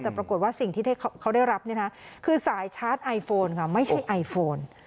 แต่ปรากฏว่าสิ่งที่เขาได้รับเนี่ยนะคือสายชาร์จไอโฟนค่ะไม่ใช่ไอโฟน